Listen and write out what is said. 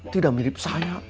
tidak mirip saya